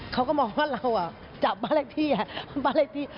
เขาก็มองว่าเราจับบ้านอะไรที่